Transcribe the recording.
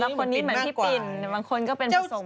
คนนี้เหมือนพี่ปิ่นบางคนก็เป็นผสม